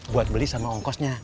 buat beli sama ongkosnya